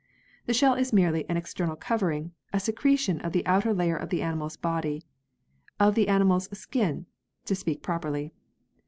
The shell is merely an external covering, a secretion of the outer layer of the animal's body of the animal's "skin," to speak popularly.